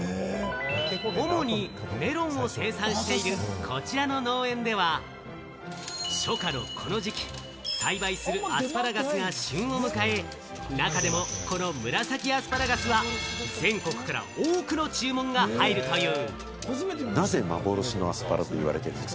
主にメロンを生産しているこちらの農園では、初夏のこの時期、栽培するアスパラガスが旬を迎え、中でもこの紫アスパラガスは、全国から多くの注文が入るという。